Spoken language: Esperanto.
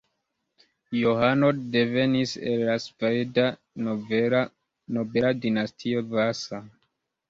Johano devenis el la sveda nobela dinastio Vasa.